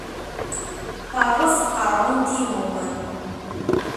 Terreẓ tqerɛunt-inu.